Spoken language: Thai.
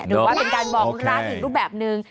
หรือว่าเป็นการบ่องรักอีกรูปแบบหนึ่ง